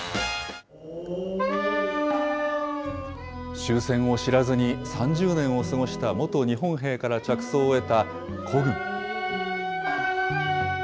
終戦を知らずに３０年を過ごした元日本兵から着想を得た孤軍。